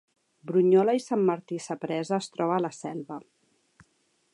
Brunyola i Sant Martí Sapresa es troba a la Selva